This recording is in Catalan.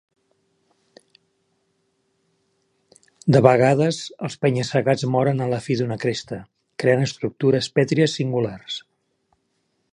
De vegades els penya-segats moren a la fi d'una cresta, creant estructures pètries singulars.